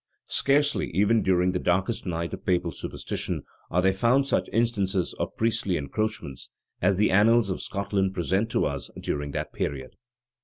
Scarcely, even during the darkest night of Papal superstition, are there found such instances of priestly encroachments, as the annals of Scotland present to us during that period.